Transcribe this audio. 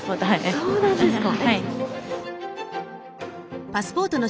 あっそうなんですか！